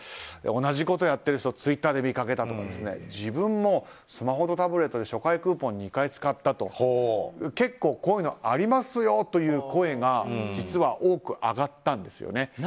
同じことやってる人ツイッターで見かけたとか自分もスマホとタブレットで初回クーポン２回使ったと、結構こういうのありますという声が実は多く上がったんですよね。